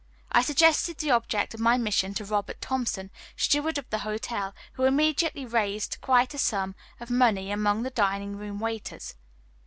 I suggested the object of my mission to Robert Thompson, Steward of the Hotel, who immediately raised quite a sum of money among the dining room waiters.